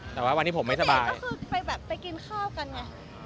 แต่ว่าวันที่ผมไม่สบายคือไปแบบไปกินข้าวกันไง